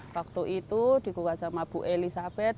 waktu itu digugat sama bu elizabeth